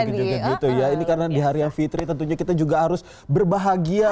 oke joget gitu ya ini karena di hari yang fitri tentunya kita juga harus berbahagia